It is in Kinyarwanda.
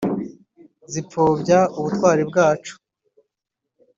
zipfobya ubutwari bw’abacu